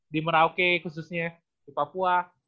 di merauke khususnya di papua